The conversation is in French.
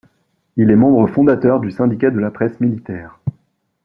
Il est membre fondateur du syndicat de la Presse militaire.